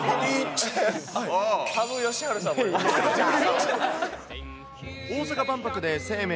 羽生善治さんもいる。